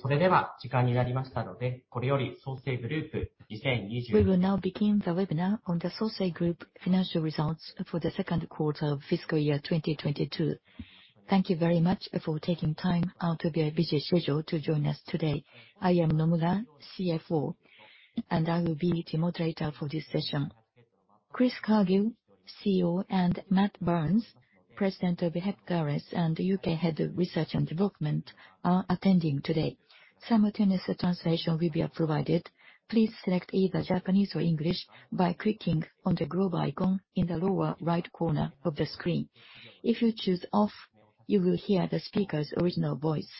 それでは、時間になりましたので、これより、Sosei Group 2022 We will now begin the webinar on the Sosei Group financial results for the second quarter of fiscal year 2022. Thank you very much for taking time out of your busy schedule to join us today. I am Nomura, CFO, and I will be the moderator for this session. Chris Cargill, CEO, and Matt Barnes, President of Heptares and Head of UK R&D, are attending today. Simultaneous translation will be provided. Please select either Japanese or English by clicking on the globe icon in the lower right corner of the screen. If you choose off, you will hear the speaker's original voice.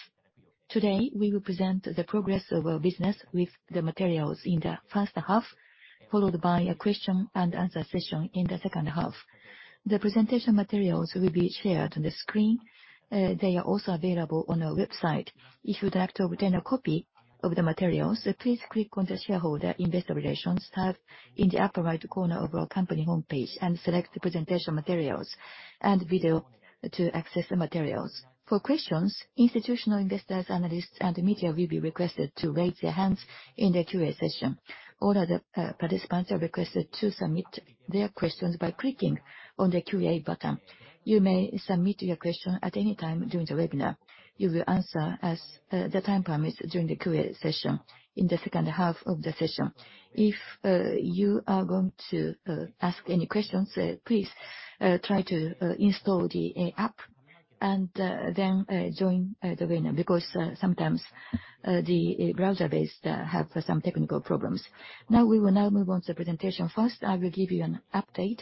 Today, we will present the progress of our business with the materials in the first half, followed by a question-and-answer session in the second half. The presentation materials will be shared on the screen. They are also available on our website. If you'd like to obtain a copy of the materials, please click on the Shareholder Investor Relations tab in the upper right corner of our company homepage and select Presentation Materials and Video to access the materials. For questions, institutional investors, analysts, and media will be requested to raise their hands in the Q&A session. All other participants are requested to submit their questions by clicking on the Q&A button. You may submit your question at any time during the webinar. You will answer as the time permits during the Q&A session in the second half of the session. If you are going to ask any questions, please try to install the app and then join the webinar because sometimes the browser-based have some technical problems. Now, we will move on to presentation. First, I will give you an update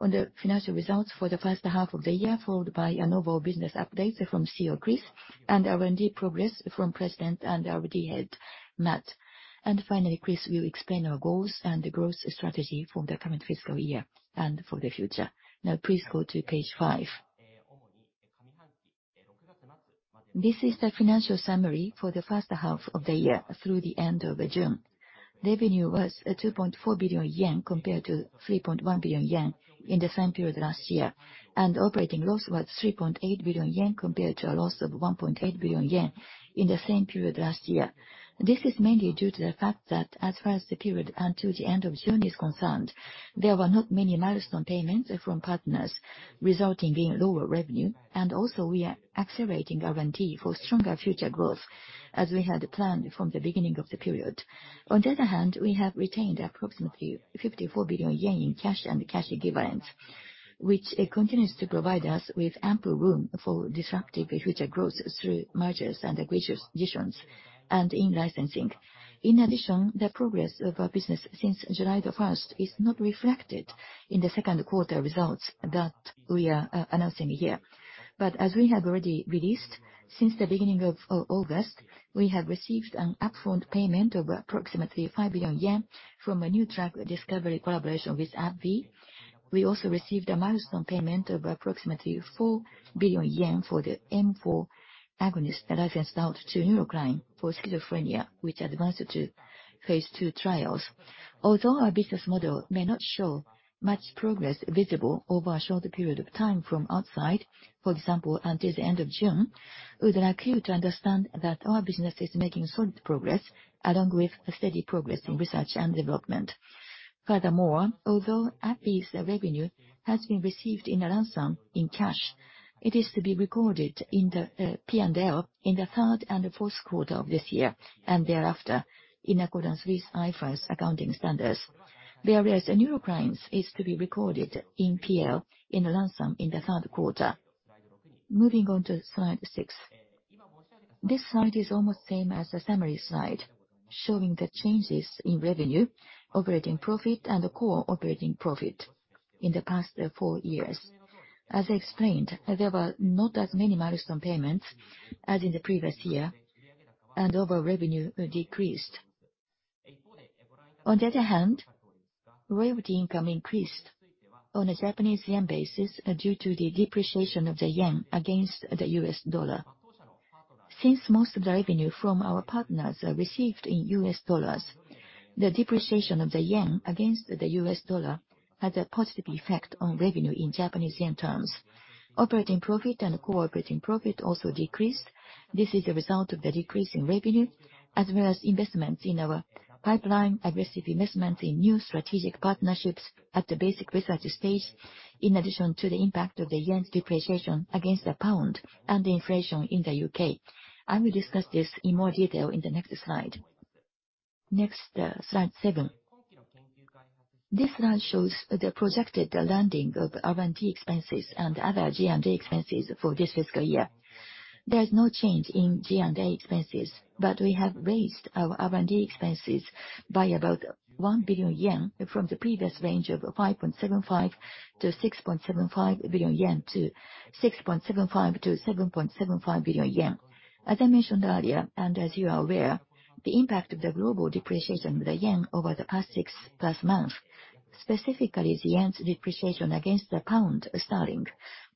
on the financial results for the first half of the year, followed by an overall business update from CEO Chris and R&D progress from President and R&D Head Matt. Finally, Chris will explain our goals and growth strategy for the current fiscal year and for the future. Now, please go to page five. This is the financial summary for the first half of the year through the end of June. Revenue was 2.4 billion yen compared to 3.1 billion yen in the same period last year. Operating loss was 3.8 billion yen compared to a loss of 1.8 billion yen in the same period last year. This is mainly due to the fact that as far as the period until the end of June is concerned, there were not many milestone payments from partners, resulting in lower revenue. Also, we are accelerating R&D for stronger future growth as we had planned from the beginning of the period. On the other hand, we have retained approximately 54 billion yen in cash and cash equivalents, which it continues to provide us with ample room for disruptive future growth through mergers and acquisitions, and in licensing. In addition, the progress of our business since July the first is not reflected in the second quarter results that we are announcing here. As we have already released, since the beginning of August, we have received an upfront payment of approximately 5 billion yen from a new drug discovery collaboration with AbbVie. We also received a milestone payment of approximately 4 billion yen for the M4 agonist licensed out to Neurocrine for schizophrenia, which advanced to phase II trials. Although our business model may not show much progress visible over a short period of time from outside, for example, until the end of June, we would like you to understand that our business is making solid progress along with a steady progress in research and development. Furthermore, although AbbVie's revenue has been received in advance in cash, it is to be recorded in the P&L in the third and fourth quarter of this year, and thereafter in accordance with IFRS accounting standards. Whereas Neurocrine's is to be recorded in P&L in advance in the third quarter. Moving on to slide six. This slide is almost same as the summary slide, showing the changes in revenue, operating profit, and core operating profit in the past four years. As explained, there were not as many milestone payments as in the previous year, and overall revenue decreased. On the other hand, royalty income increased on a Japanese yen basis due to the depreciation of the yen against the US dollar. Since most of the revenue from our partners are received in US dollars, the depreciation of the yen against the US dollar has a positive effect on revenue in Japanese yen terms. Operating profit and core operating profit also decreased. This is a result of the decrease in revenue as well as investments in our pipeline, aggressive investments in new strategic partnerships at the basic research stage, in addition to the impact of the yen's depreciation against the pound and inflation in the UK. I will discuss this in more detail in the next slide. Next, slide seven. This slide shows the projected landing of R&D expenses and other G&A expenses for this fiscal year. There is no change in G&A expenses, but we have raised our R&D expenses by about 1 billion yen from the previous range of 5.75 billion-6.75 billion to 6.75 billion-7.75 billion yen. As I mentioned earlier, and as you are aware, the impact of the global depreciation of the yen over the past 6+ months, specifically the yen's depreciation against the pound sterling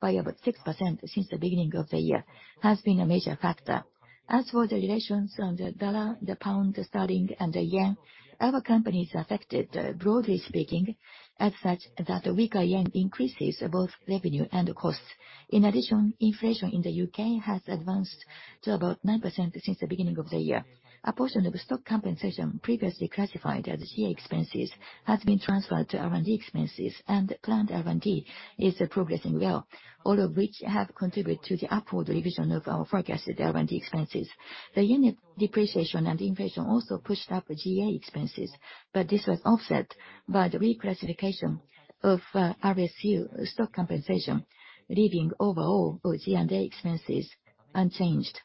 by about 6% since the beginning of the year, has been a major factor. As for the relations on the dollar, the pound sterling, and the yen, our company is affected, broadly speaking, as such that a weaker yen increases both revenue and costs. In addition, inflation in the U.K. has advanced to about 9% since the beginning of the year. A portion of stock compensation previously classified as G&A expenses has been transferred to R&D expenses, and planned R&D is progressing well, all of which have contributed to the upward revision of our forecasted R&D expenses. The yen depreciation and inflation also pushed up G&A expenses, but this was offset by the reclassification of RSU stock compensation, leaving overall G&A expenses unchanged.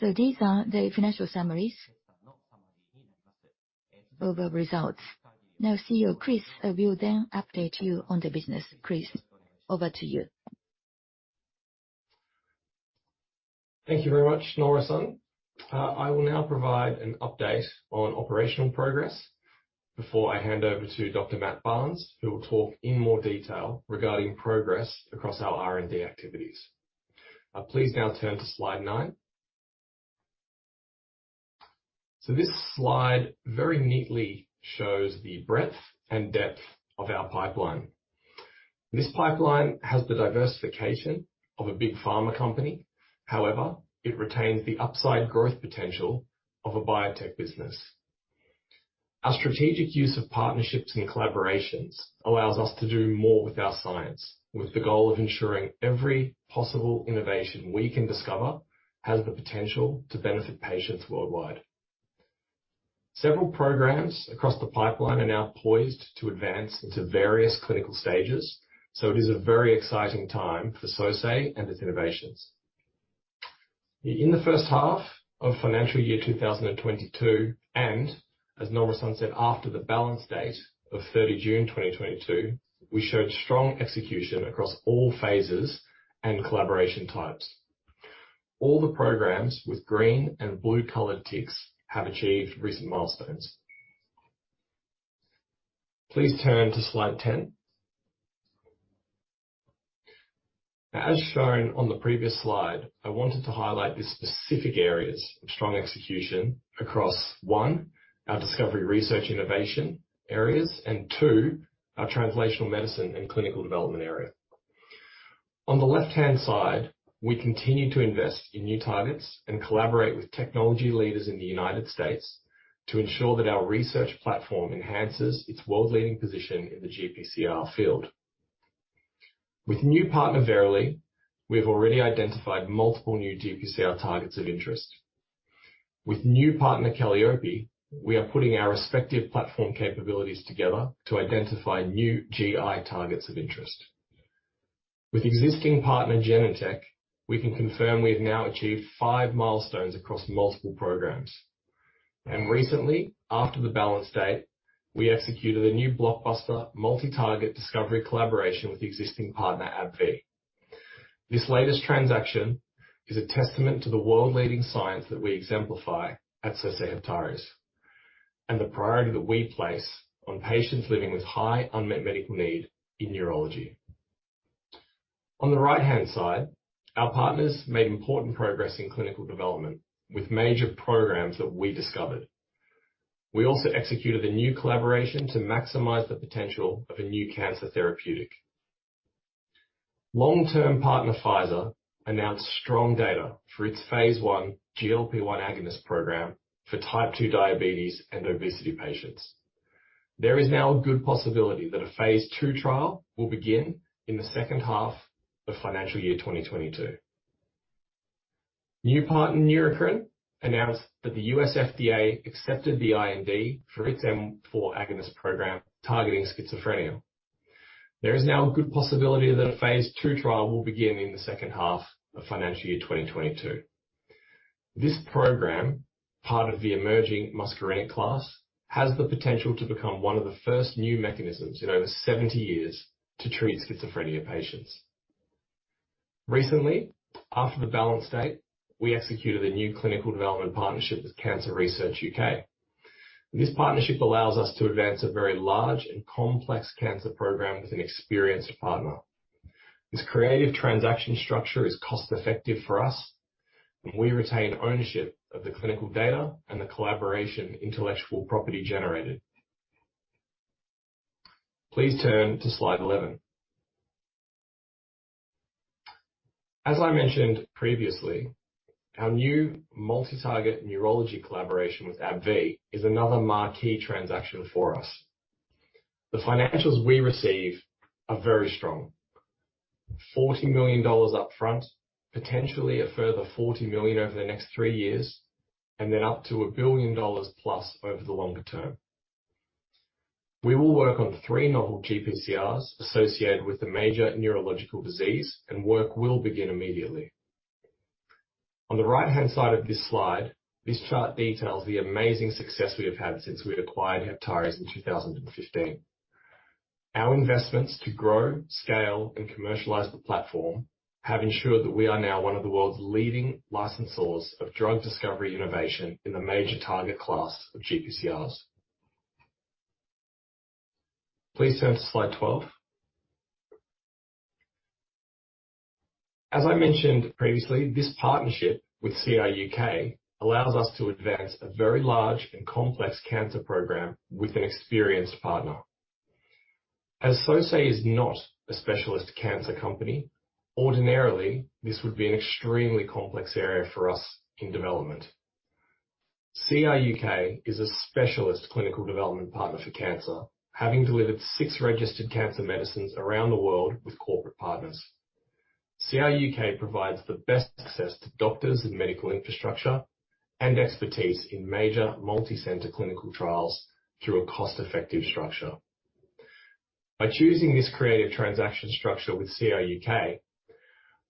These are the financial summaries of our results. Now, CEO Chris Cargill will then update you on the business. Chris, over to you. Thank you very much, Nora-san. I will now provide an update on operational progress before I hand over to Dr. Matt Barnes, who will talk in more detail regarding progress across our R&D activities. Please now turn to slide nine. This slide very neatly shows the breadth and depth of our pipeline. This pipeline has the diversification of a big pharma company, however, it retains the upside growth potential of a biotech business. Our strategic use of partnerships and collaborations allows us to do more with our science, with the goal of ensuring every possible innovation we can discover has the potential to benefit patients worldwide. Several programs across the pipeline are now poised to advance into various clinical stages. It is a very exciting time for Sosei and its innovations. In the first half of financial year 2022, as Nora-san said, after the balance date of 30 June 2022, we showed strong execution across all phases and collaboration types. All the programs with green and blue-colored ticks have achieved recent milestones. Please turn to slide 10. As shown on the previous slide, I wanted to highlight the specific areas of strong execution across, one, our discovery research innovation areas, and two, our translational medicine and clinical development area. On the left-hand side, we continue to invest in new targets and collaborate with technology leaders in the United States to ensure that our research platform enhances its world-leading position in the GPCR field. With new partner, Verily, we've already identified multiple new GPCR targets of interest. With new partner, Kallyope, we are putting our respective platform capabilities together to identify new GI targets of interest. With existing partner, Genentech, we can confirm we've now achieved five milestones across multiple programs. Recently, after the balance date, we executed a new blockbuster multi-target discovery collaboration with existing partner, AbbVie. This latest transaction is a testament to the world-leading science that we exemplify at Sosei Heptares, and the priority that we place on patients living with high unmet medical need in neurology. On the right-hand side, our partners made important progress in clinical development with major programs that we discovered. We also executed a new collaboration to maximize the potential of a new cancer therapeutic. Long-term partner, Pfizer, announced strong data for its phase I GLP-1 agonist program for type 2 diabetes and obesity patients. There is now a good possibility that a phase II trial will begin in the second half of financial year 2022. New partner, Neurocrine, announced that the US FDA accepted the IND for its M4 agonist program targeting schizophrenia. There is now a good possibility that a phase II trial will begin in the second half of financial year 2022. This program, part of the emerging muscarinic class, has the potential to become one of the first new mechanisms in over 70 years to treat schizophrenia patients. Recently, after the balance date, we executed a new clinical development partnership with Cancer Research UK. This partnership allows us to advance a very large and complex cancer program with an experienced partner. This creative transaction structure is cost-effective for us, and we retain ownership of the clinical data and the collaboration intellectual property generated. Please turn to slide 11. As I mentioned previously, our new multi-target neurology collaboration with AbbVie is another marquee transaction for us. The financials we receive are very strong. $40 million upfront, potentially a further $40 million over the next three years, and then up to $1 billion+ over the longer term. We will work on three novel GPCRs associated with the major neurological disease, and work will begin immediately. On the right-hand side of this slide, this chart details the amazing success we have had since we acquired Heptares in 2015. Our investments to grow, scale, and commercialize the platform have ensured that we are now one of the world's leading licensors of drug discovery innovation in the major target class of GPCRs. Please turn to slide 12. As I mentioned previously, this partnership with CRUK allows us to advance a very large and complex cancer program with an experienced partner. As Sosei is not a specialist cancer company, ordinarily this would be an extremely complex area for us in development. CRUK is a specialist clinical development partner for cancer, having delivered six registered cancer medicines around the world with corporate partners. CRUK provides the best access to doctors and medical infrastructure and expertise in major multi-center clinical trials through a cost-effective structure. By choosing this creative transaction structure with CRUK,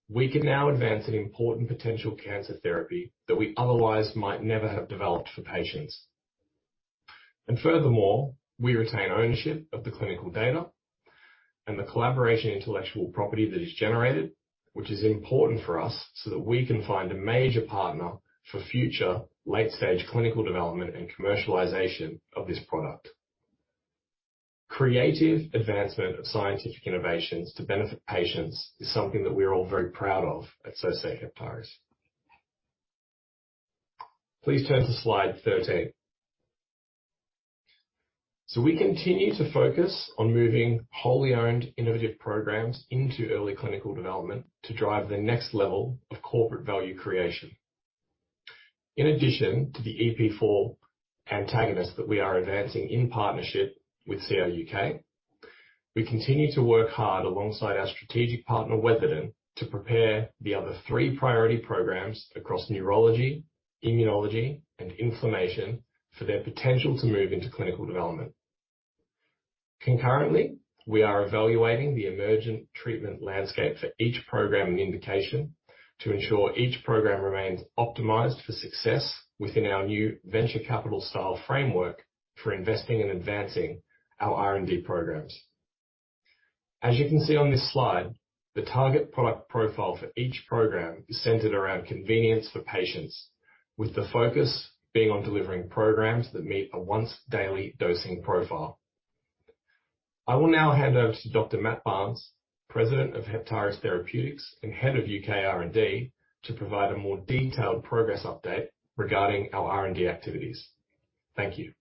we can now advance an important potential cancer therapy that we otherwise might never have developed for patients. Furthermore, we retain ownership of the clinical data and the collaboration intellectual property that is generated, which is important for us so that we can find a major partner for future late-stage clinical development and commercialization of this product. Creative advancement of scientific innovations to benefit patients is something that we are all very proud of at Sosei Heptares. Please turn to slide 13. We continue to focus on moving wholly owned innovative programs into early clinical development to drive the next level of corporate value creation. In addition to the EP4 antagonist that we are advancing in partnership with CRUK, we continue to work hard alongside our strategic partner, Weatherden, to prepare the other three priority programs across neurology, immunology, and inflammation for their potential to move into clinical development. Concurrently, we are evaluating the emerging treatment landscape for each program and indication to ensure each program remains optimized for success within our new venture capital style framework for investing in advancing our R&D programs. As you can see on this slide, the target product profile for each program is centered around convenience for patients, with the focus being on delivering programs that meet a once daily dosing profile. I will now hand over to Dr. Matt Barnes, President of Heptares Therapeutics, and Head of UK R&D, to provide a more detailed progress update regarding our R&D activities. Thank you.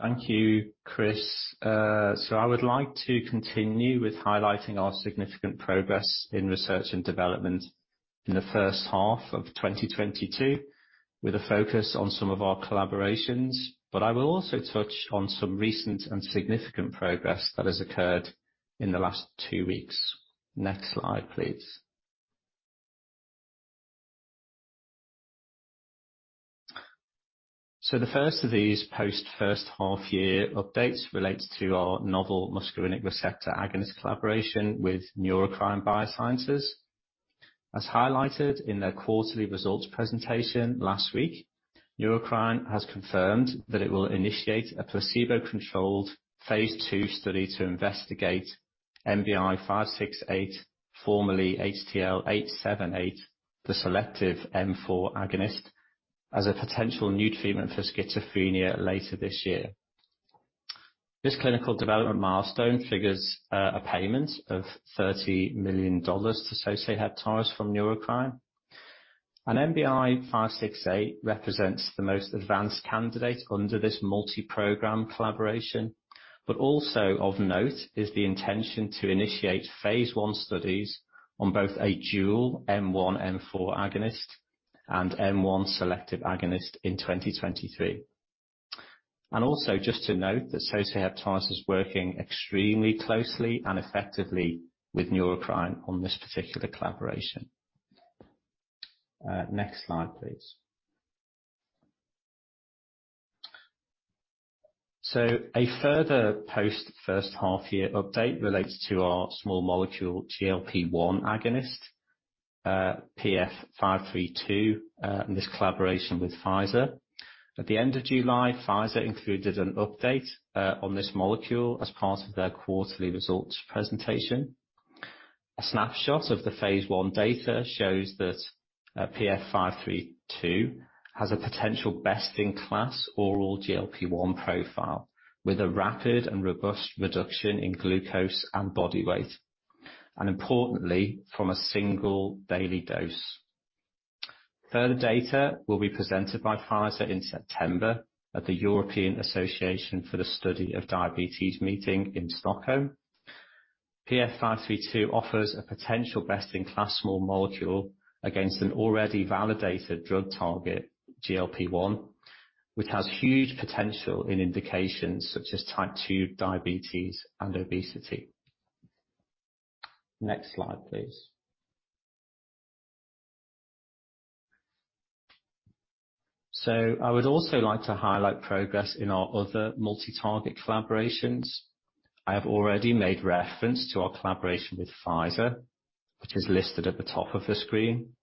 Thank you, Chris. I would like to continue with highlighting our significant progress in research and development in the first half of 2022, with a focus on some of our collaborations. I will also touch on some recent and significant progress that has occurred in the last two weeks. Next slide, please. The first of these post first half year updates relates to our novel muscarinic receptor agonist collaboration with Neurocrine Biosciences. As highlighted in their quarterly results presentation last week, Neurocrine has confirmed that it will initiate a placebo-controlled phase II study to investigate NBI'568, formerly HTL'878, the selective M4 agonist, as a potential new treatment for schizophrenia later this year. This clinical development milestone triggers a payment of $30 million to Sosei Heptares from Neurocrine. NBI'568 represents the most advanced candidate under this multi-program collaboration. Also of note is the intention to initiate phase I studies on both a dual M1/M4 agonist and M1 selective agonist in 2023. Also just to note that Sosei Heptares is working extremely closely and effectively with Neurocrine on this particular collaboration. Next slide, please. A further post first half year update relates to our small molecule GLP-1 agonist, PF'532, and this collaboration with Pfizer. At the end of July, Pfizer included an update on this molecule as part of their quarterly results presentation. A snapshot of the phase I data shows that PF'532 has a potential best-in-class oral GLP-1 profile with a rapid and robust reduction in glucose and body weight, and importantly, from a single daily dose. Further data will be presented by Pfizer in September at the European Association for the Study of Diabetes meeting in Stockholm. PF'532 offers a potential best-in-class small molecule against an already validated drug target, GLP-1, which has huge potential in indications such as type 2 diabetes and obesity. Next slide, please. I would also like to highlight progress in our other multi-target collaborations. I have already made reference to our collaboration with Pfizer, which is listed at the top of the screen,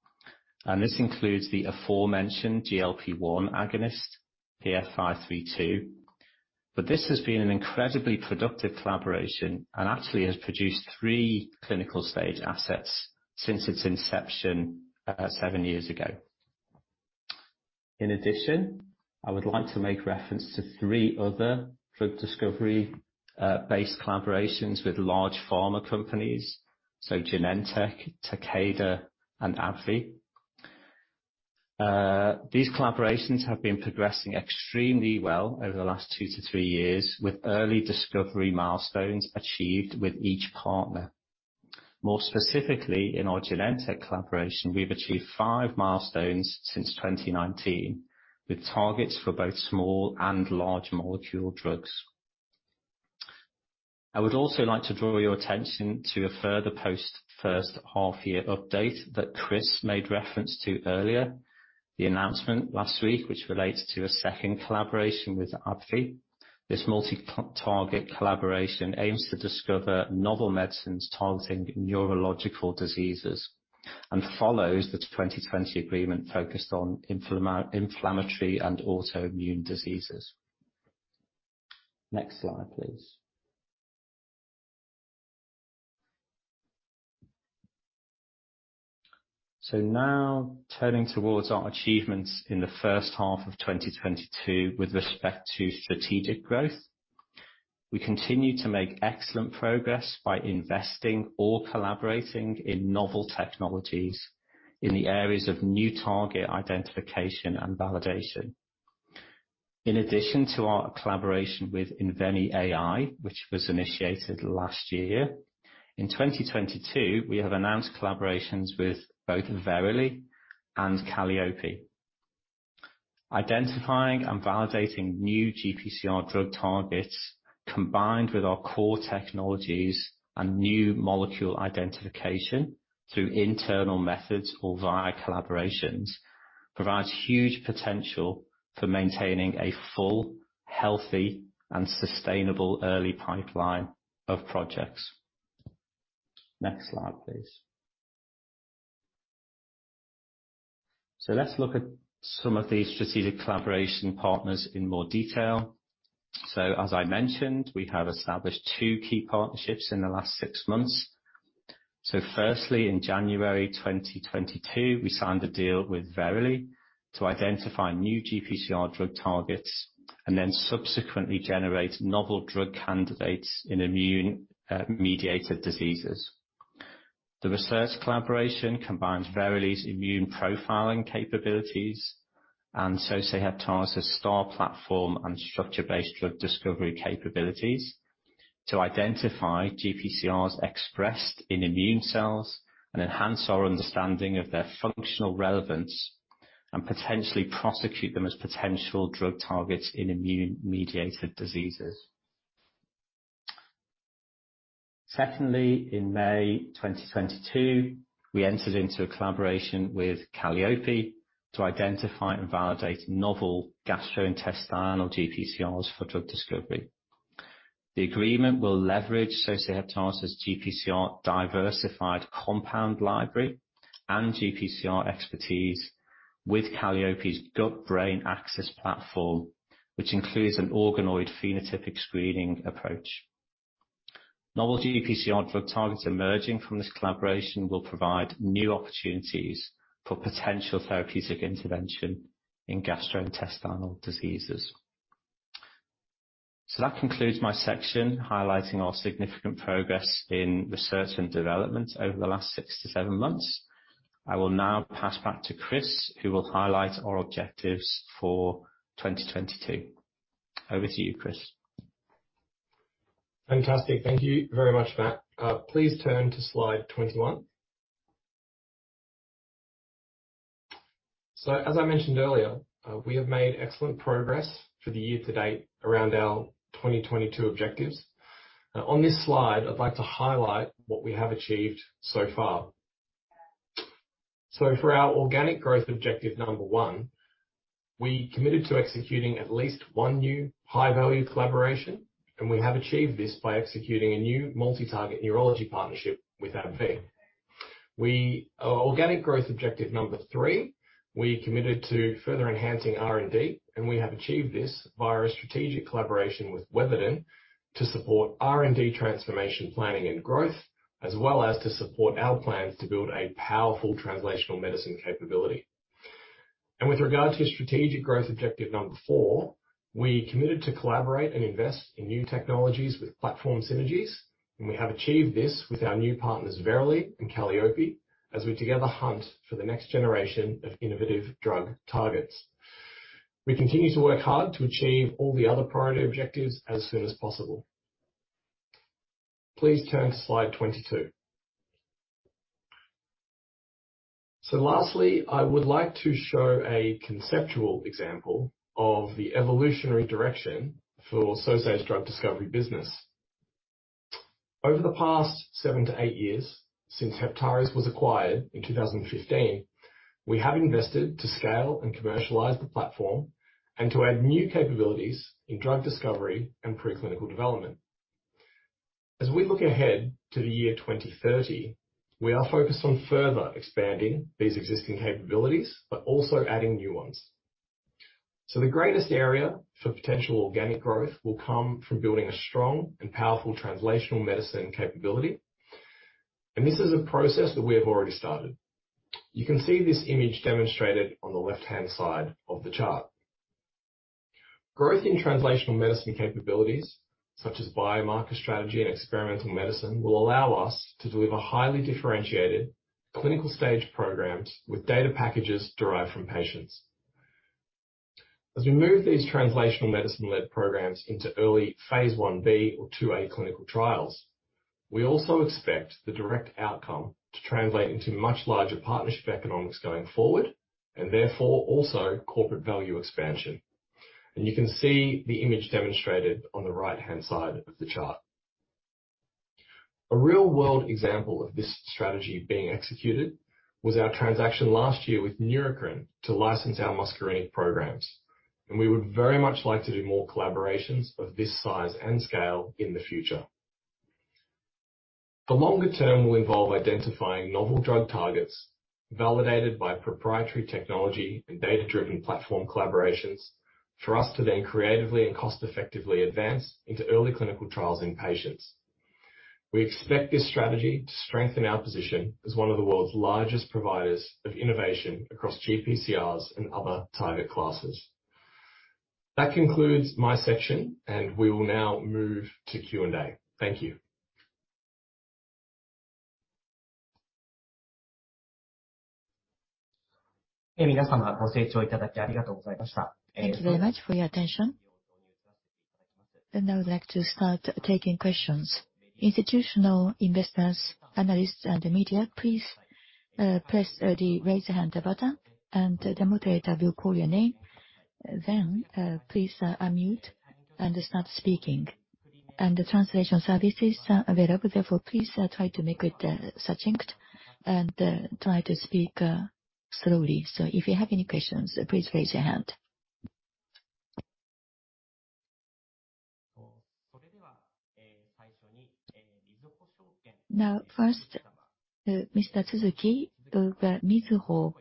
and this includes the aforementioned GLP-1 agonist, PF'532. This has been an incredibly productive collaboration and actually has produced three clinical-stage assets since its inception, seven years ago. In addition, I would like to make reference to three other drug discovery-based collaborations with large pharma companies, so Genentech, Takeda and AbbVie. These collaborations have been progressing extremely well over the last two to three years with early discovery milestones achieved with each partner. More specifically, in our Genentech collaboration, we've achieved five milestones since 2019, with targets for both small and large molecule drugs. I would also like to draw your attention to a further post-first-half-year update that Chris made reference to earlier. The announcement last week, which relates to a second collaboration with AbbVie. This multi-target collaboration aims to discover novel medicines targeting neurological diseases, and follows the 2020 agreement focused on inflammatory and autoimmune diseases. Next slide, please. Now turning towards our achievements in the first half of 2022 with respect to strategic growth. We continue to make excellent progress by investing or collaborating in novel technologies in the areas of new target identification and validation. In addition to our collaboration with InveniAI, which was initiated last year, in 2022, we have announced collaborations with both Verily and Kallyope. Identifying and validating new GPCR drug targets, combined with our core technologies and new molecule identification through internal methods or via collaborations, provides huge potential for maintaining a full, healthy and sustainable early pipeline of projects. Next slide, please. Let's look at some of these strategic collaboration partners in more detail. As I mentioned, we have established two key partnerships in the last six months. Firstly, in January 2022, we signed a deal with Verily to identify new GPCR drug targets and then subsequently generate novel drug candidates in immune mediated diseases. The research collaboration combines Verily's immune profiling capabilities and Sosei Heptares' StaR platform and structure-based drug discovery capabilities to identify GPCRs expressed in immune cells and enhance our understanding of their functional relevance and potentially pursue them as potential drug targets in immune mediated diseases. Secondly, in May 2022, we entered into a collaboration with Kallyope to identify and validate novel gastrointestinal GPCRs for drug discovery. The agreement will leverage Sosei Heptares' GPCR Diversified Compound Library and GPCR expertise with Kallyope's gut-brain axis platform, which includes an organoid phenotypic screening approach. Novel GPCR drug targets emerging from this collaboration will provide new opportunities for potential therapeutic intervention in gastrointestinal diseases. That concludes my section highlighting our significant progress in research and development over the last six to seven months. I will now pass back to Chris, who will highlight our objectives for 2022. Over to you, Chris. Fantastic. Thank you very much, Matt. Please turn to slide 21. As I mentioned earlier, we have made excellent progress for the year to date around our 2022 objectives. On this slide, I'd like to highlight what we have achieved so far. For our organic growth objective number 1, we committed to executing at least one new high-value collaboration, and we have achieved this by executing a new multi-target neurology partnership with AbbVie. Our organic growth objective number 3, we committed to further enhancing R&D, and we have achieved this via a strategic collaboration with Weatherden to support R&D transformation, planning and growth, as well as to support our plans to build a powerful translational medicine capability. With regard to strategic growth objective number 4, we committed to collaborate and invest in new technologies with platform synergies. We have achieved this with our new partners, Verily and Kallyope, as we together hunt for the next generation of innovative drug targets. We continue to work hard to achieve all the other priority objectives as soon as possible. Please turn to slide 22. Lastly, I would like to show a conceptual example of the evolutionary direction for Sosei's drug discovery business. Over the past seven to eight years, since Heptares was acquired in 2015, we have invested to scale and commercialize the platform and to add new capabilities in drug discovery and preclinical development. As we look ahead to the year 2030, we are focused on further expanding these existing capabilities, but also adding new ones. The greatest area for potential organic growth will come from building a strong and powerful translational medicine capability. This is a process that we have already started. You can see this image demonstrated on the left-hand side of the chart. Growth in translational medicine capabilities, such as biomarker strategy and experimental medicine, will allow us to deliver highly differentiated clinical-stage programs with data packages derived from patients. As we move these translational medicine-led programs into early phase I-b or II-a clinical trials, we also expect the direct outcome to translate into much larger partnership economics going forward and therefore also corporate value expansion. You can see the image demonstrated on the right-hand side of the chart. A real-world example of this strategy being executed was our transaction last year with Neurocrine to license our muscarinic programs. We would very much like to do more collaborations of this size and scale in the future. The longer term will involve identifying novel drug targets validated by proprietary technology and data-driven platform collaborations for us to then creatively and cost effectively advance into early clinical trials in patients. We expect this strategy to strengthen our position as one of the world's largest providers of innovation across GPCRs and other target classes. That concludes my section, and we will now move to Q&A. Thank you. Thank you very much for your attention. I would like to start taking questions. Institutional investors, analysts, and the media, please, press the raise hand button, and the moderator will call your name. Then, please unmute and start speaking. The translation service is available. Therefore, please, try to make it succinct and try to speak slowly. If you have any questions, please raise your hand. Now, first, Mr. Tsuzuki of Mizuho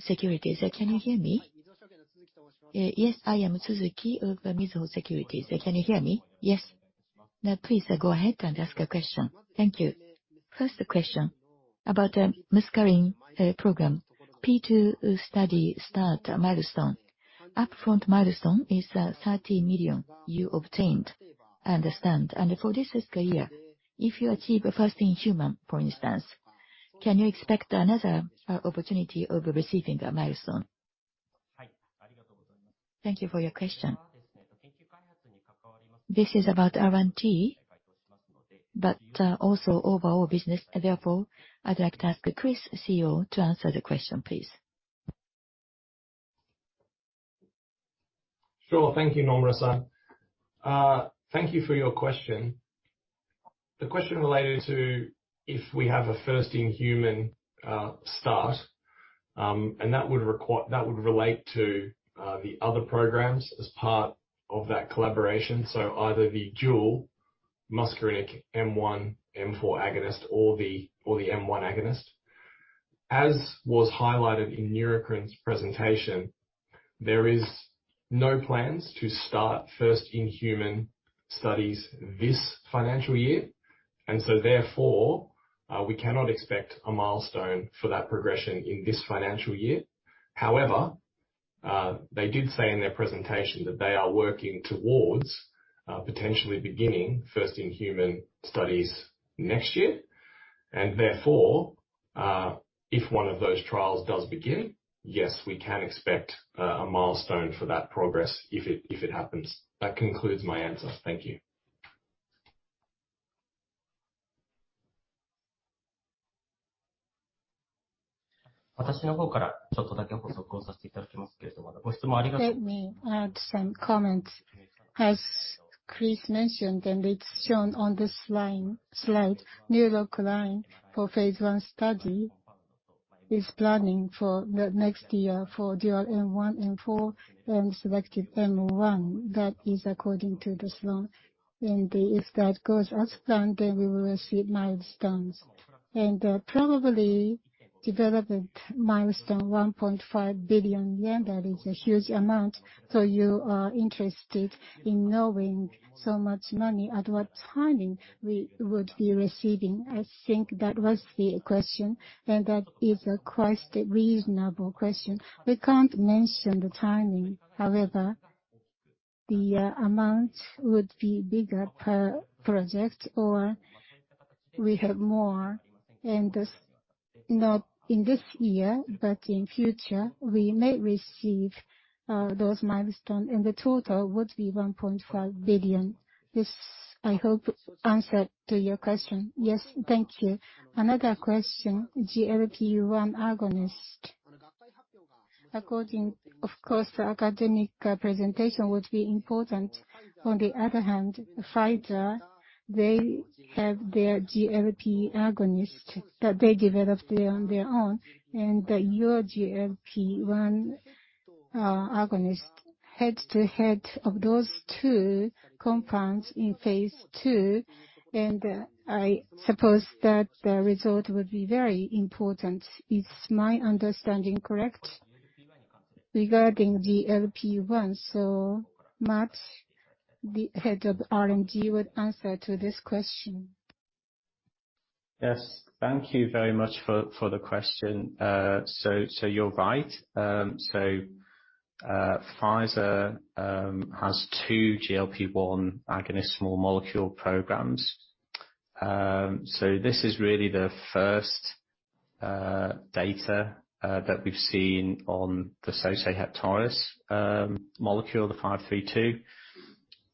Securities, can you hear me? Yes, I am Tsuzuki of Mizuho Securities. Can you hear me? Yes. Now, please go ahead and ask your question. Thank you. First question about muscarinic program. P2 study start milestone. Upfront milestone is $30 million obtained, I understand. For this fiscal year, if you achieve a first-in-human, for instance, can you expect another opportunity of receiving a milestone? Thank you for your question. This is about R&D, but also overall business. Therefore, I'd like to ask Chris, CEO, to answer the question, please. Sure. Thank you, Nomura-san. Thank you for your question. The question related to if we have a first-in-human start. That would relate to the other programs as part of that collaboration. Either the dual M1/M4 agonist or the M1 agonist. As was highlighted in Neurocrine's presentation, there is no plans to start first-in-human studies this financial year. Therefore, we cannot expect a milestone for that progression in this financial year. However, they did say in their presentation that they are working towards potentially beginning first-in-human studies next year. Therefore, if one of those trials does begin, yes, we can expect a milestone for that progress if it happens. That concludes my answer. Thank you. Let me add some comments. As Chris mentioned, it's shown on this slide, Neurocrine for phase I study is planning for the next year for dual M1, M4 and selective M1. That is according to the slide. Probably development milestone 1.5 billion yen, that is a huge amount. You are interested in knowing so much money at what timing we would be receiving. I think that was the question, and that is a quite reasonable question. We can't mention the timing. However, the amount would be bigger per project, or we have more. Not in this year, but in future, we may receive those milestone, and the total would be 1.5 billion. This, I hope, answered to your question. Yes. Thank you. Another question. GLP-1 agonist. According, of course, academic presentation would be important. On the other hand, Pfizer, they have their GLP agonist that they developed on their own. Your GLP-1 Agonist. Head-to-head of those two compounds in phase II, and I suppose that the result would be very important. Is my understanding correct? Regarding the GLP-1. Matt, the head of R&D would answer to this question. Yes. Thank you very much for the question. You're right. Pfizer has two GLP-1 agonist small molecule programs. This is really the first data that we've seen on the Sosei Heptares molecule 532.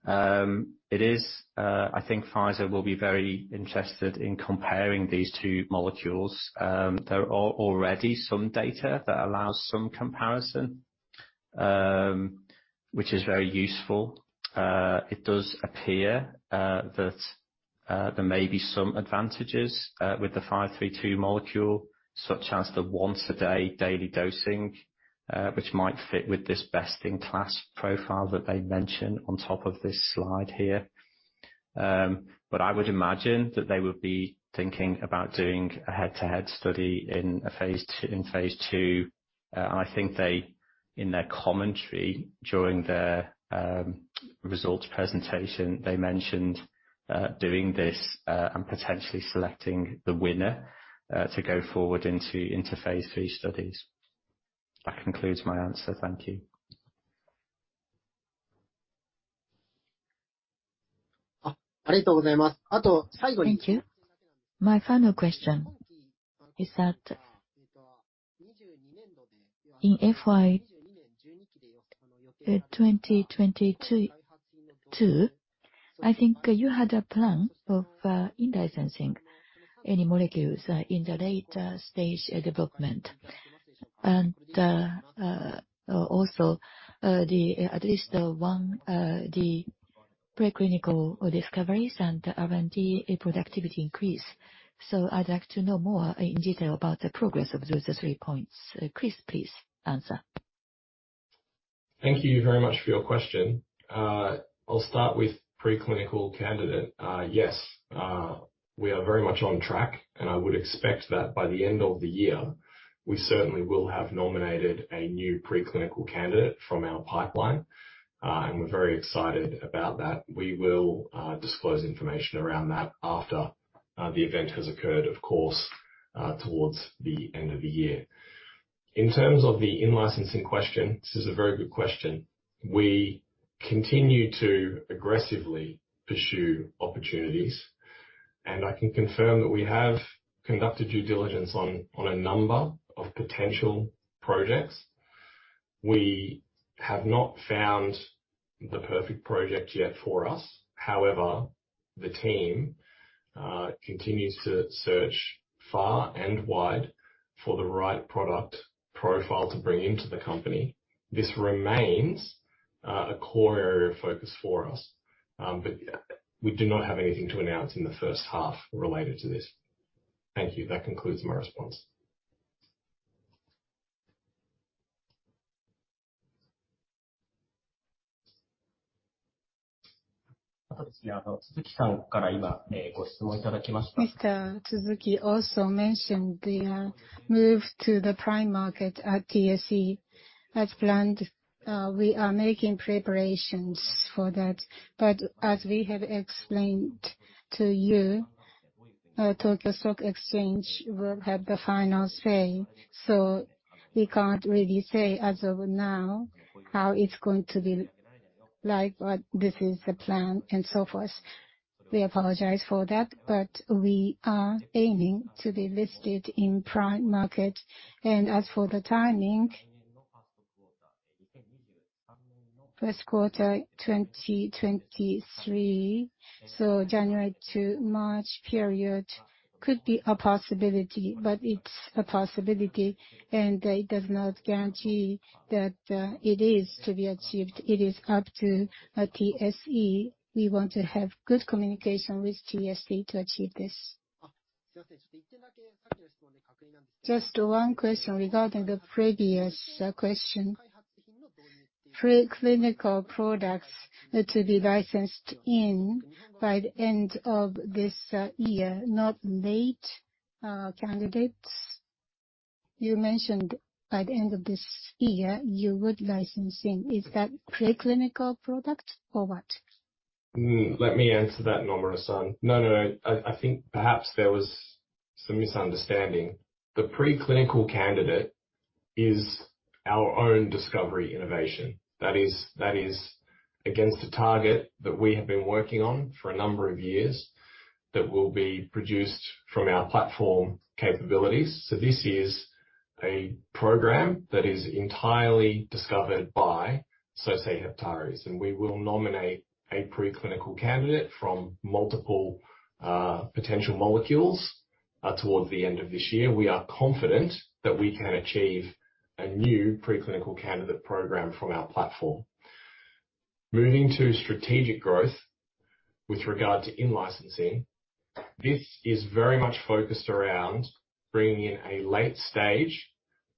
It is. I think Pfizer will be very interested in comparing these two molecules. There are already some data that allows some comparison, which is very useful. It does appear that there may be some advantages with the PF'532 molecule, such as the once a day daily dosing, which might fit with this best in class profile that they mention on top of this slide here. But I would imagine that they would be thinking about doing a head-to-head study in a phase II. I think they, in their commentary during their results presentation, they mentioned doing this, and potentially selecting the winner to go forward into phase III studies. That concludes my answer. Thank you. Thank you. My final question is that in FY 2022, I think you had a plan of in-licensing any molecules in the later stage development. Also, at least one preclinical discoveries and R&D productivity increase. I'd like to know more in detail about the progress of those three points. Chris, please answer. Thank you very much for your question. I'll start with preclinical candidate. Yes, we are very much on track, and I would expect that by the end of the year, we certainly will have nominated a new preclinical candidate from our pipeline. We're very excited about that. We will disclose information around that after the event has occurred, of course, towards the end of the year. In terms of the in-licensing question, this is a very good question. We continue to aggressively pursue opportunities, and I can confirm that we have conducted due diligence on a number of potential projects. We have not found the perfect project yet for us. However, the team continues to search far and wide for the right product profile to bring into the company. This remains a core area of focus for us. We do not have anything to announce in the first half related to this. Thank you. That concludes my response. Mr. Tsuzuki also mentioned the move to the Prime Market at TSE. As planned, we are making preparations for that. As we have explained to you, Tokyo Stock Exchange will have the final say. We can't really say as of now how it's going to be like, but this is the plan and so forth. We apologize for that, but we are aiming to be listed in Prime Market. As for the timing, first quarter 2023, so January to March period could be a possibility, but it's a possibility and it does not guarantee that it is to be achieved. It is up to TSE. We want to have good communication with TSE to achieve this. Just one question regarding the previous question. Preclinical products are to be licensed in by the end of this year, not late candidates. You mentioned by the end of this year you would license in. Is that preclinical products or what? Let me answer that, Nomura-san. No, no. I think perhaps there was some misunderstanding. The preclinical candidate is our own discovery innovation. That is against a target that we have been working on for a number of years that will be produced from our platform capabilities. This is a program that is entirely discovered by Sosei Heptares, and we will nominate a preclinical candidate from multiple potential molecules towards the end of this year. We are confident that we can achieve a new preclinical candidate program from our platform. Moving to strategic growth with regard to in-licensing. This is very much focused around bringing in a late-stage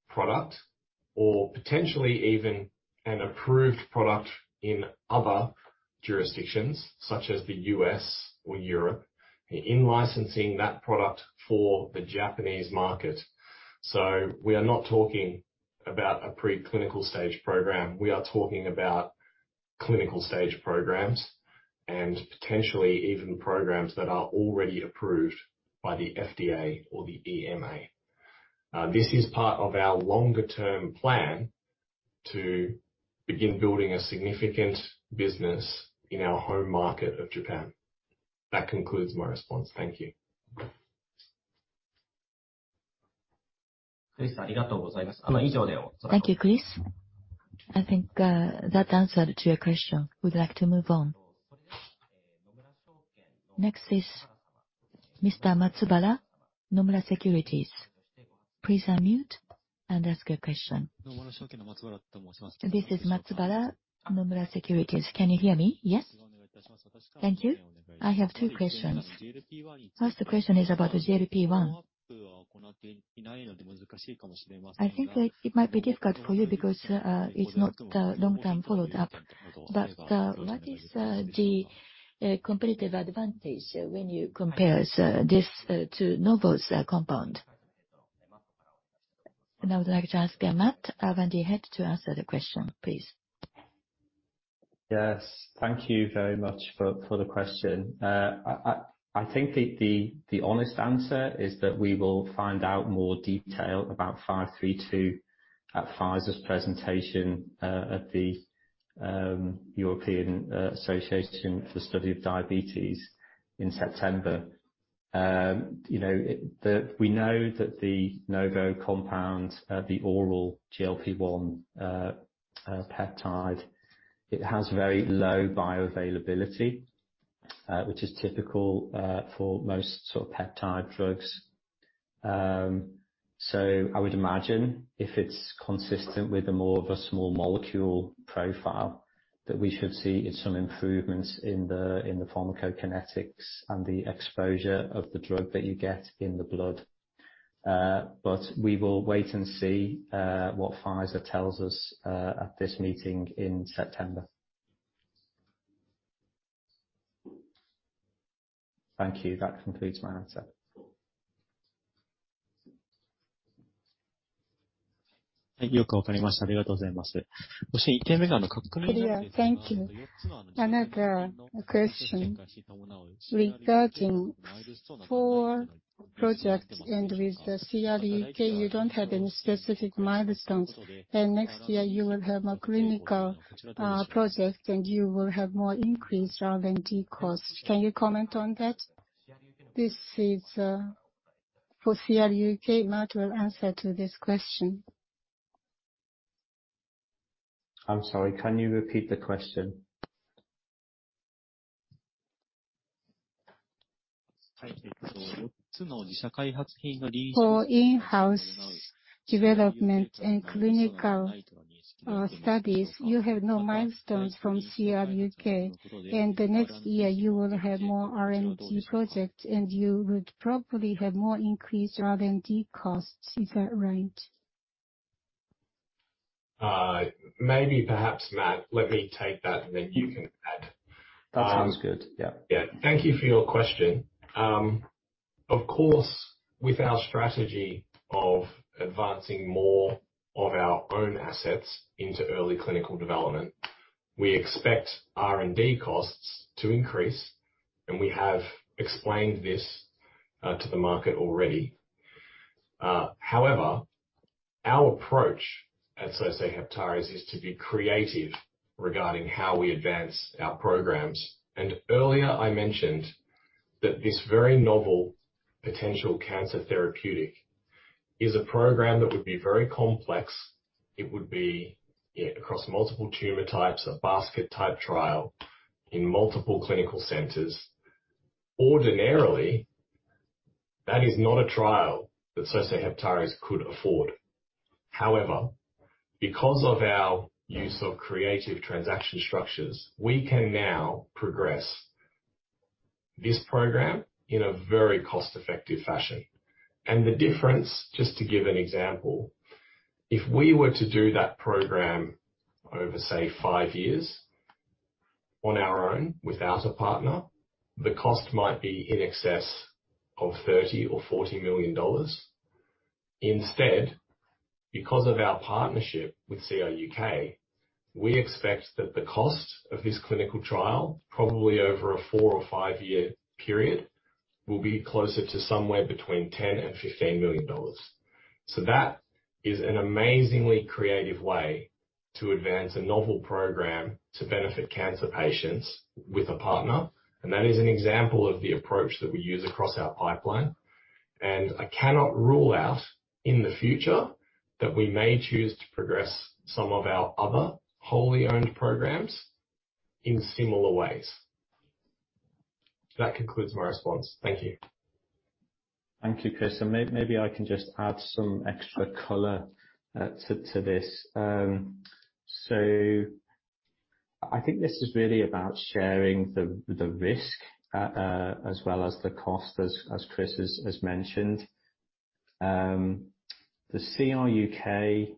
product or potentially even an approved product in other jurisdictions such as the U.S. or Europe. In-licensing that product for the Japanese market. We are not talking about a preclinical stage program. We are talking about clinical stage programs and potentially even programs that are already approved by the FDA or the EMA. This is part of our longer term plan to begin building a significant business in our home market of Japan. That concludes my response. Thank you. Thank you, Chris. I think that answered your question. We'd like to move on. Next is Mr. Matsubara, Nomura Securities. Please unmute and ask your question. This is Matsubara, Nomura Securities. Can you hear me? Yes? Thank you. I have two questions. First question is about the GLP-1. I think that it might be difficult for you because it's not long-term followed up. What is the competitive advantage when you compare this to Novo's compound? I would like to ask Matt when he had to answer the question, please. Yes. Thank you very much for the question. I think the honest answer is that we will find out more detail about 532 at Pfizer's presentation at the European Association for the Study of Diabetes in September. You know, we know that the Novo compounds are the oral GLP-1 peptide. It has very low bioavailability, which is typical for most sort of peptide drugs. I would imagine if it's consistent with more of a small molecule profile that we should see some improvements in the pharmacokinetics and the exposure of the drug that you get in the blood. But we will wait and see what Pfizer tells us at this meeting in September. Thank you. That concludes my answer. Clear. Thank you. Another question regarding four projects and with the CRUK. You don't have any specific milestones, and next year you will have more clinical projects, and you will have more increased R&D costs. Can you comment on that? This is for CRUK. Matt will answer to this question. I'm sorry, can you repeat the question? For in-house development and clinical studies, you have no milestones from CRUK, and the next year you will have more R&D projects, and you would probably have more increased R&D costs. Is that right? Maybe perhaps, Matt, let me take that, and then you can add. That sounds good. Yep. Yeah. Thank you for your question. Of course, with our strategy of advancing more of our own assets into early clinical development, we expect R&D costs to increase, and we have explained this to the market already. However, our approach at Sosei Heptares is to be creative regarding how we advance our programs. Earlier, I mentioned that this very novel potential cancer therapeutic is a program that would be very complex. It would be across multiple tumor types, a basket type trial in multiple clinical centers. Ordinarily, that is not a trial that Sosei Heptares could afford. However, because of our use of creative transaction structures, we can now progress this program in a very cost-effective fashion. The difference, just to give an example, if we were to do that program over, say, five years on our own without a partner, the cost might be in excess of $30 million or $40 million. Instead, because of our partnership with CRUK, we expect that the cost of this clinical trial, probably over a four or five-year period, will be closer to somewhere between $10 million and $15 million. That is an amazingly creative way to advance a novel program to benefit cancer patients with a partner, and that is an example of the approach that we use across our pipeline. I cannot rule out in the future that we may choose to progress some of our other wholly owned programs in similar ways. That concludes my response. Thank you. Thank you, Chris. Maybe I can just add some extra color to this. I think this is really about sharing the risk as well as the cost, as Chris has mentioned. The CRUK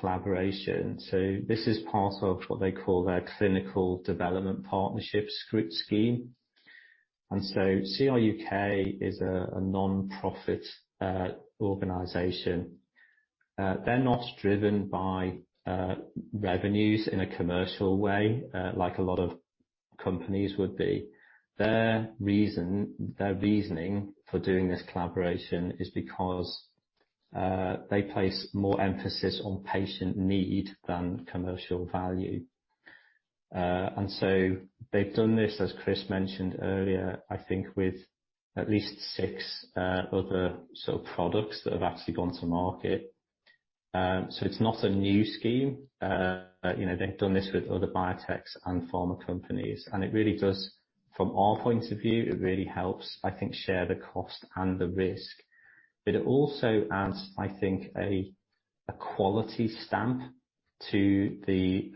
collaboration is part of what they call their Clinical Development Partnership scheme. CRUK is a nonprofit organization. They're not driven by revenues in a commercial way, like a lot of companies would be. Their reasoning for doing this collaboration is because they place more emphasis on patient need than commercial value. They've done this, as Chris mentioned earlier, I think with at least six other sort of products that have actually gone to market. It's not a new scheme. You know, they've done this with other biotechs and pharma companies. It really does, from our point of view, really help, I think, share the cost and the risk. It also adds, I think, a quality stamp to the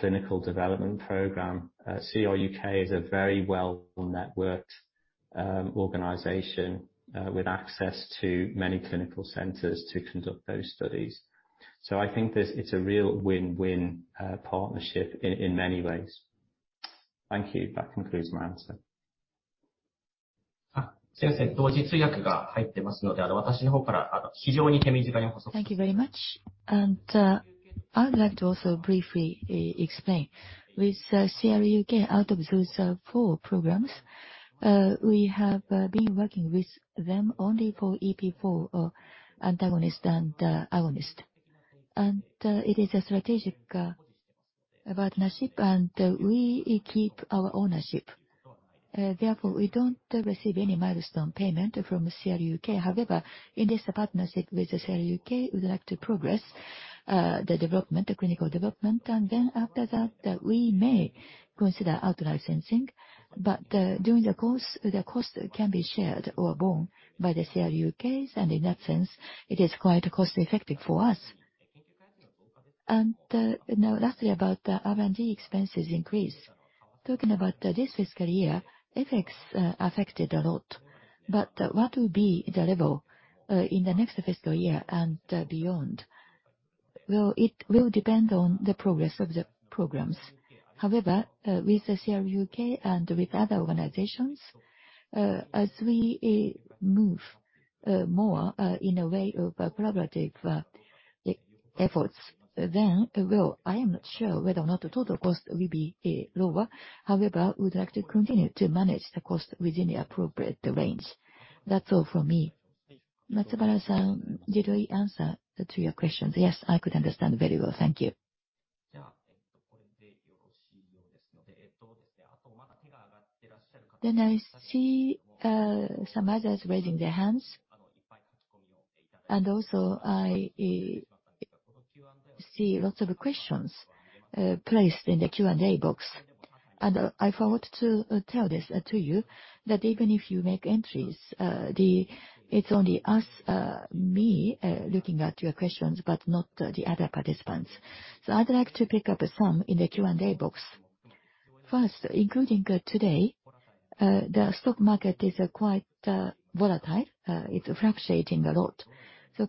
clinical development program. CRUK is a very well-networked organization with access to many clinical centers to conduct those studies. I think this is a real win-win partnership in many ways. Thank you. That concludes my answer. Thank you very much. I'd like to also briefly explain. With CRUK, out of those four programs, we have been working with them only for EP4 antagonist and agonist. It is a strategic partnership. We keep our ownership. Therefore, we don't receive any milestone payment from CRUK. However, in this partnership with CRUK, we'd like to progress the development, the clinical development. Then after that, we may consider out-licensing. During the course, the cost can be shared or borne by CRUK. In that sense, it is quite cost-effective for us. Now lastly, about the R&D expenses increase. Talking about this fiscal year, FX affected a lot. What will be the level in the next fiscal year and beyond? Well, it will depend on the progress of the programs. However, with the CRUK and with other organizations, as we move more in a way of collaborative efforts, then well, I am not sure whether or not the total cost will be lower. However, we'd like to continue to manage the cost within the appropriate range. That's all from me. Matsubara-san, did we answer to your questions? Yes, I could understand very well, thank you. I see some others raising their hands. Also I see lots of questions placed in the Q&A box. I forgot to tell this to you, that even if you make entries, it's only us, me, looking at your questions, but not the other participants. So I'd like to pick up some in the Q&A box. First, including today, the stock market is quite volatile. It's fluctuating a lot.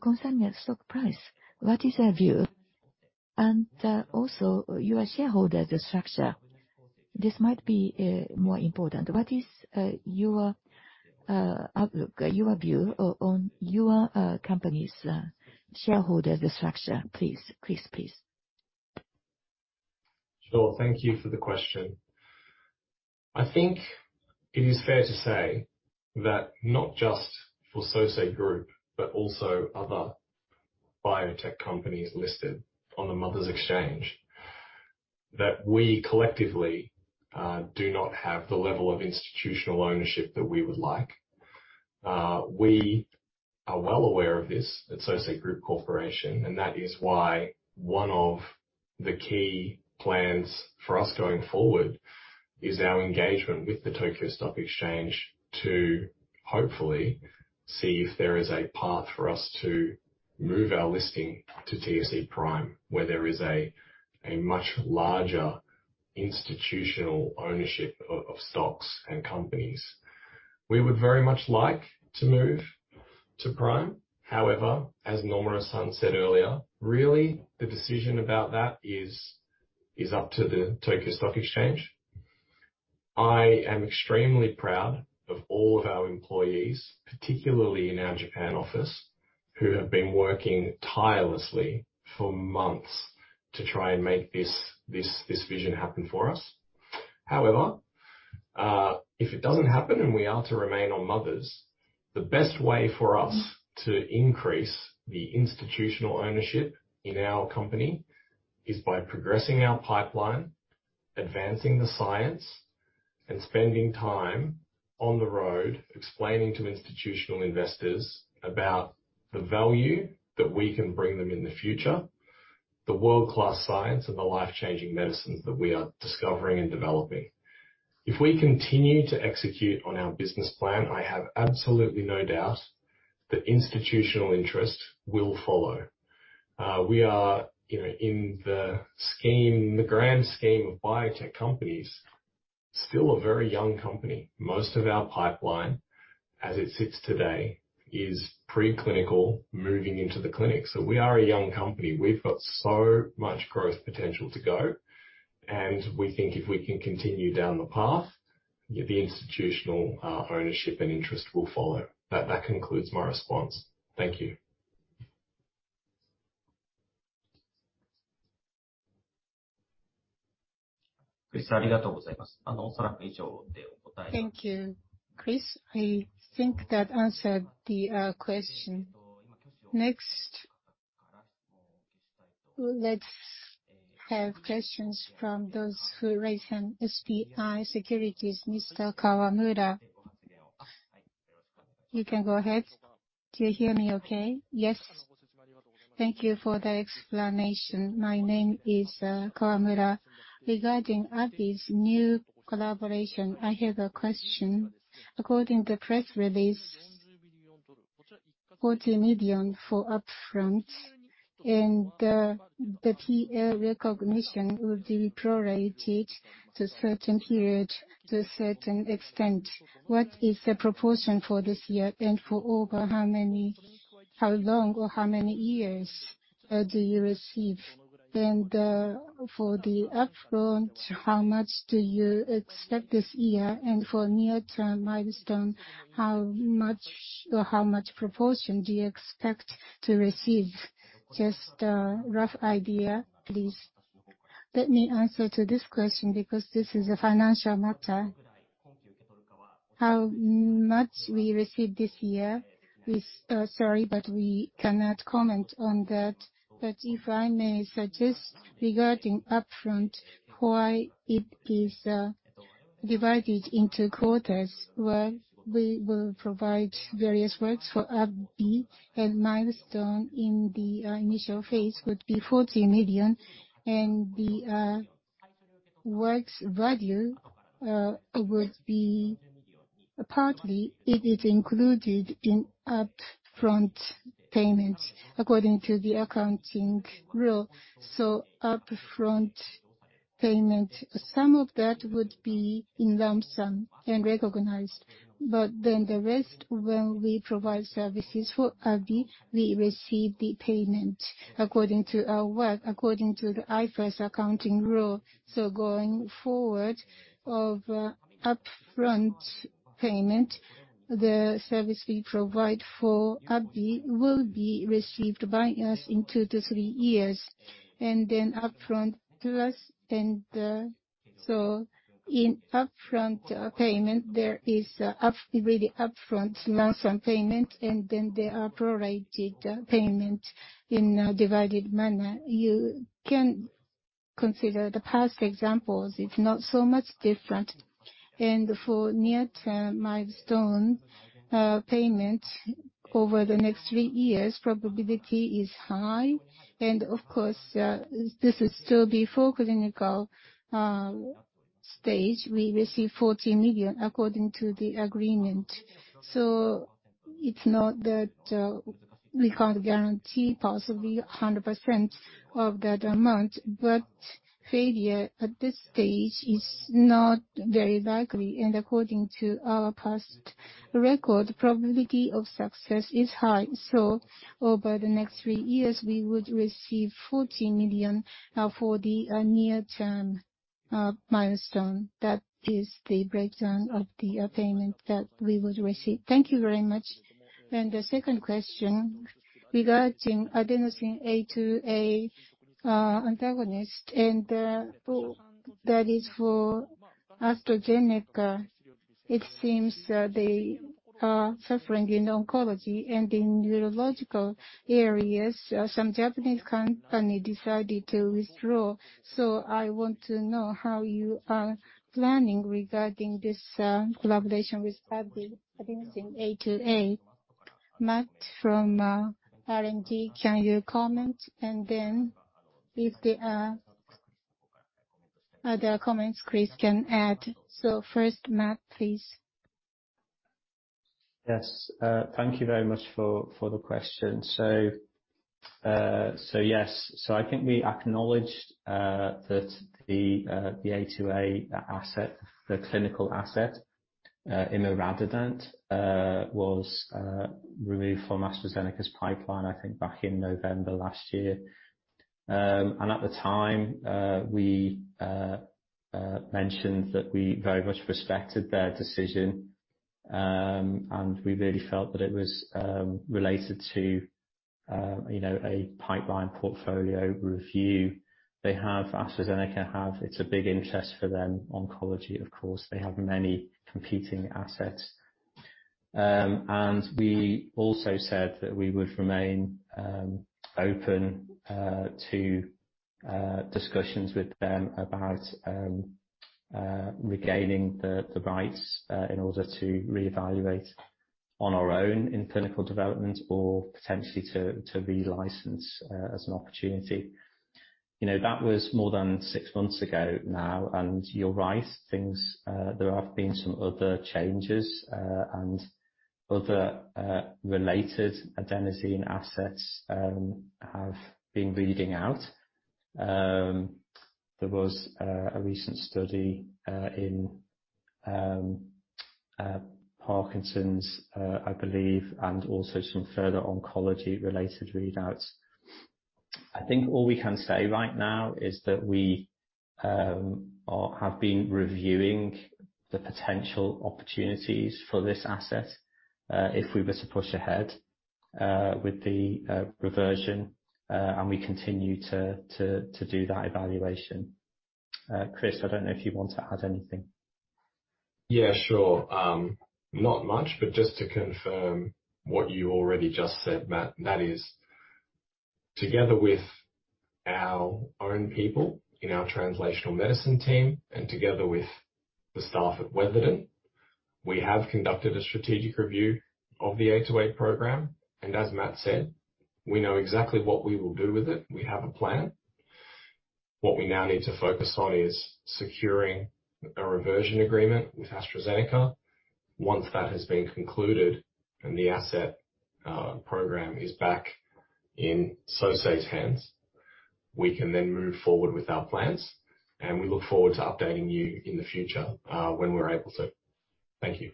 Concerning stock price, what is your view? Also, your shareholder structure, this might be more important. What is your outlook, your view on your company's shareholder structure, please? Chris, please. Sure. Thank you for the question. I think it is fair to say that not just for Sosei Group, but also other biotech companies listed on the Mothers Exchange, that we collectively do not have the level of institutional ownership that we would like. We are well aware of this at Sosei Group Corporation, and that is why one of the key plans for us going forward is our engagement with the Tokyo Stock Exchange to hopefully see if there is a path for us to move our listing to TSE Prime, where there is a much larger institutional ownership of stocks and companies. We would very much like to move to Prime. However, as Nomura-san said earlier, really the decision about that is up to the Tokyo Stock Exchange. I am extremely proud of all of our employees, particularly in our Japan office, who have been working tirelessly for months to try and make this vision happen for us. However, if it doesn't happen and we are to remain on Mothers, the best way for us to increase the institutional ownership in our company is by progressing our pipeline, advancing the science, and spending time on the road explaining to institutional investors about the value that we can bring them in the future, the world-class science and the life-changing medicines that we are discovering and developing. If we continue to execute on our business plan, I have absolutely no doubt that institutional interest will follow. We are, you know, in the grand scheme of biotech companies, still a very young company. Most of our pipeline, as it sits today, is pre-clinical, moving into the clinic. We are a young company. We've got so much growth potential to go, and we think if we can continue down the path, the institutional ownership and interest will follow. That concludes my response. Thank you. Thank you, Chris. I think that answered the question. Next, let's have questions from those who raised hand. SBI Securities, Mr. Kawamura. You can go ahead. Do you hear me okay? Yes. Thank you for the explanation. My name is Kawamura. Regarding AbbVie's new collaboration, I have a question. According to press release, $40 million for upfront and the P&L recognition will be prorated to a certain period, to a certain extent. What is the proportion for this year and for over how long or how many years do you receive? And for the upfront, how much do you expect this year and for near-term milestone, how much or how much proportion do you expect to receive? Just a rough idea, please. Let me answer to this question because this is a financial matter. How much we received this year is, sorry, but we cannot comment on that. If I may suggest regarding upfront, why it is divided into quarters. We will provide various works for AbbVie and milestone in the initial phase would be $40 million and the work's value would be partly it is included in upfront payment according to the accounting rule. Upfront payment, some of that would be in lump sum and recognized. Then the rest when we provide services for AbbVie, we receive the payment according to our work, according to the IFRS accounting rule. Going forward of upfront payment, the service we provide for AbbVie will be received by us in two to three years. In upfront payment there is really upfront lump sum payment and then there are prorated payment in a divided manner. You can consider the past examples. It's not so much different. For near-term milestone payment over the next three years, probability is high. Of course, this is still before clinical stage. We receive $40 million according to the agreement. It's not that we can't guarantee possibly 100% of that amount. Failure at this stage is not very likely. According to our past record, probability of success is high. Over the next three years we would receive $40 million for the near-term milestone. That is the breakdown of the payment that we would receive. Thank you very much. The second question regarding adenosine A2A antagonist, that is for AstraZeneca. It seems they are suffering in oncology and in neurological areas. Some Japanese company decided to withdraw. I want to know how you are planning regarding this collaboration with AbbVie adenosine A2A. Matt from R&D, can you comment? Then if there are comments Chris can add. First, Matt, please. Yes. Thank you very much for the question. I think we acknowledged that the A2A asset, the clinical asset, imaradenant, was removed from AstraZeneca's pipeline, I think back in November last year. At the time, we mentioned that we very much respected their decision. We really felt that it was related to, you know, a pipeline portfolio review. AstraZeneca have. It is a big interest for them, oncology, of course. They have many competing assets. We also said that we would remain open to discussions with them about regaining the rights in order to reevaluate on our own in clinical development or potentially to re-license as an opportunity. You know, that was more than six months ago now. You're right, things there have been some other changes, and other related adenosine assets have been reading out. There was a recent study in Parkinson's, I believe, and also some further oncology-related readouts. I think all we can say right now is that we have been reviewing the potential opportunities for this asset, if we were to push ahead with the reversion, and we continue to do that evaluation. Chris, I don't know if you want to add anything. Yeah, sure. Not much, but just to confirm what you already just said, Matt. That is, together with our own people in our translational medicine team and together with the staff at Weatherden, we have conducted a strategic review of the A2A program. As Matt said, we know exactly what we will do with it. We have a plan. What we now need to focus on is securing a reversion agreement with AstraZeneca. Once that has been concluded and the asset program is back in Sosei's hands, we can then move forward with our plans, and we look forward to updating you in the future, when we're able to. Thank you.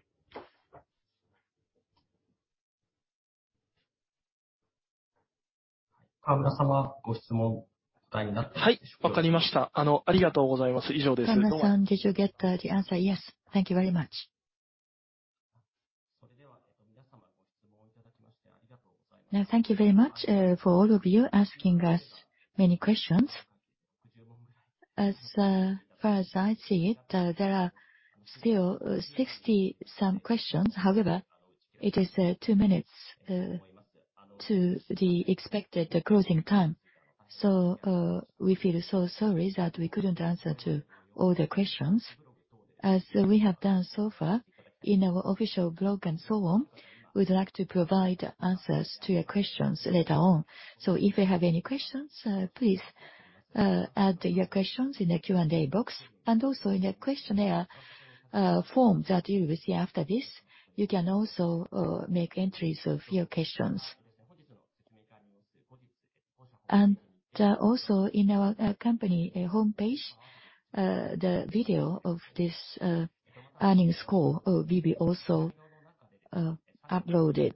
Kawamura-san, did you get the answer? Yes. Thank you very much. Now, thank you very much for all of you asking us many questions. As far as I see it, there are still 60-some questions. However, it is two minutes to the expected closing time. We feel so sorry that we couldn't answer all the questions. As we have done so far in our official blog and so on, we'd like to provide answers to your questions later on. If you have any questions, please add your questions in the Q&A box and also in the questionnaire form that you will see after this. You can also make entries of your questions. Also in our company homepage, the video of this earnings call will be also uploaded.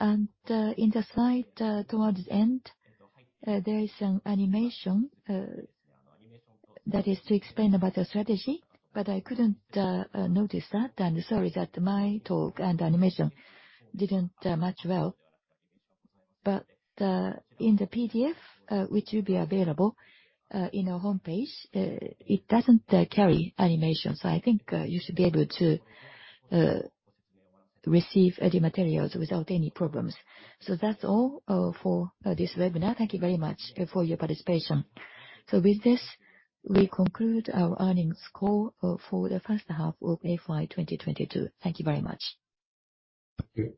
In the slide towards the end there is an animation that is to explain about the strategy, but I couldn't notice that. I'm sorry that my talk and animation didn't match well. In the PDF which will be available in our homepage it doesn't carry animation. I think you should be able to receive the materials without any problems. That's all for this webinar. Thank you very much for your participation. With this, we conclude our earnings call for the first half of FY 2022. Thank you very much. Thank you.